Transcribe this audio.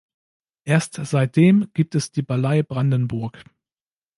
Erst seitdem gibt es die Ballei Brandenburg.